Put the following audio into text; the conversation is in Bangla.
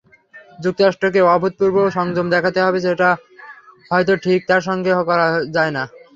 যুক্তরাষ্ট্রকে অভূতপূর্ব সংযম দেখাতে হবে, যেটা হয়তো ঠিক তার সঙ্গে যায় না।